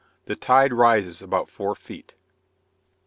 The tide rises about four feet.